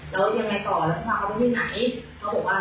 แล้วเรียงมายไปต่อแล้วเขามีทางไปได้ไหน